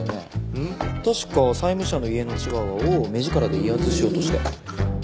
確か債務者の家のチワワを目力で威圧しようとして。